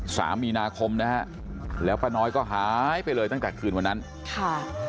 สามมีนาคมนะฮะแล้วป้าน้อยก็หายไปเลยตั้งแต่คืนวันนั้นค่ะ